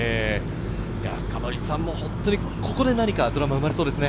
深堀さんも、ここで何かドラマ生まれそうですね。